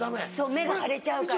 目が腫れちゃうから。